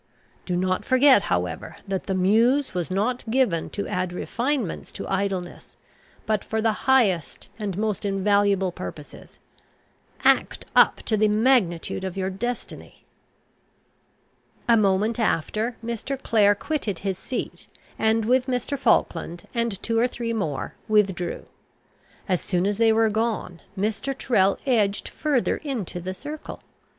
Do not forget, however, that the Muse was not given to add refinements to idleness, but for the highest and most invaluable purposes. Act up to the magnitude of your destiny." A moment after, Mr. Clare quitted his seat, and with Mr. Falkland and two or three more withdrew. As soon as they were gone, Mr. Tyrrel edged further into the circle.